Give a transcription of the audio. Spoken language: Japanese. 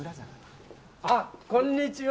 あっ、こんにちは。